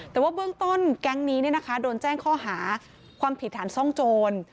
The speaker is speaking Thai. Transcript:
แต่ว่าเบื้องต้นแก๊งนี้โดนแจ้งข้อหาความผิดฐานซ่องโจร